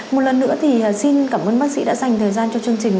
một lần nữa thì xin cảm ơn bác sĩ đã dành thời gian cho chương trình